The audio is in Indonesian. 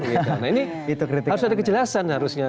nah ini harus ada kejelasan harusnya